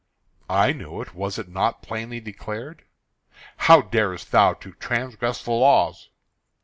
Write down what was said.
"I knew it. Was it not plainly declared?" "How daredst thou to transgress the laws?"